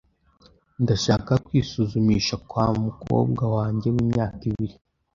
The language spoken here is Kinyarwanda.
Ndashaka kwisuzumisha kwa mukobwa wanjye w'imyaka ibiri.